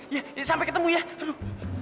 ya ini sampai ketemu ya aduh